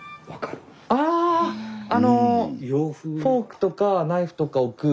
ああのフォークとかナイフとか置く。